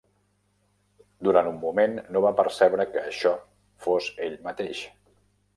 Durant un moment, no va percebre que això fos ell mateix.